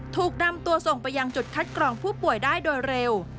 ถูกนำตัวส่งไปยังจุดคัดกรองผู้ป่วยได้โดยเร็ว